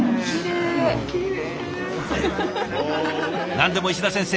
何でも石田先生